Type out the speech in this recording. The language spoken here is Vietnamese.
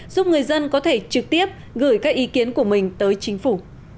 giúp người dân có thể trực tiếp gửi các ý kiến của mình tới chính phủ